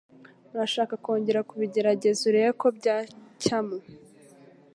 Urashaka kongera kubigerageza urebe ko byacyamo?